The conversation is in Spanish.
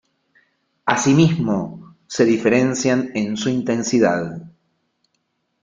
Asimismo, se diferencian en su intensidad.